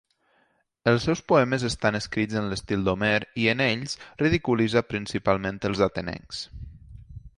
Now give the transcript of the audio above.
Els seus poemes estan escrits en l'estil d'Homer i en ells ridiculitza principalment als atenencs.